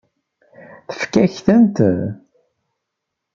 Tfakk-ak-tent.